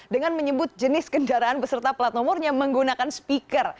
dengan menyebut jenis kendaraan beserta plat nomornya menggunakan speaker